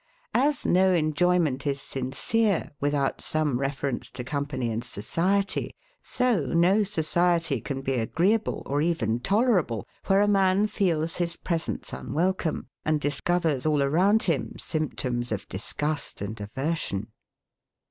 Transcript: As no enjoyment is sincere, without some reference to company and society; so no society can be agreeable, or even tolerable, where a man feels his presence unwelcome, and discovers all around him symptoms of disgust and aversion.